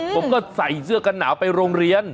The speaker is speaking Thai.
ผมก็ใส่เสื้อกันหนาวไปโรงเรียน